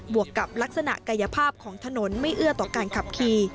วกกับลักษณะกายภาพของถนนไม่เอื้อต่อการขับขี่